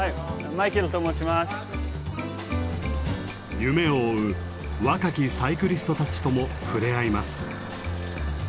夢を追う若きサイクリストたちとも触れ合います。